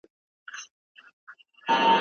تولستوی د خپل قلم په مرسته ټول بشریت ته خدمت وکړ.